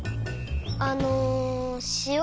あのしお